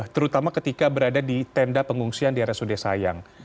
terutama ketika berada di tenda pengungsian di rsud sayang